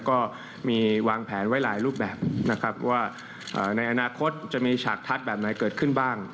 ก็มีวางแผนไว้หลายรูปแบบนะครับว่าในอนาคตจะมีฉากทัศน์แบบไหนเกิดขึ้นบ้าง